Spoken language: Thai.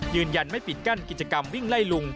ยืนยันไม่ปิดกั้นกิจกรรมวิ่งไล่ลุง